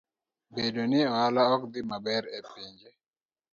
Bedo ni ohala ok dhi maber e pinje